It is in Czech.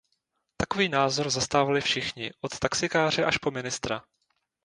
Takový názor zastávali všichni, od taxikáře až po ministra.